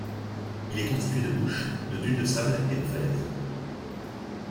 Il est constitué de bush, de dunes de sable et de falaises.